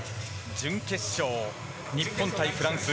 準決勝、日本対フランス。